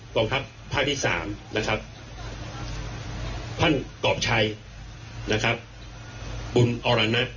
กองทัพภาคที่๓นะครับท่านกรอบชัยนะครับบุญอรณัท